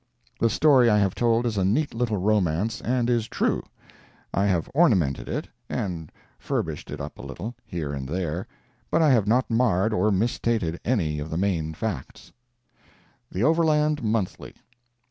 The story I have told is a neat little romance and is true. I have ornamented it, and furbished it up a little, here and there, but I have not marred or misstated any of the main facts. The "Overland Monthly."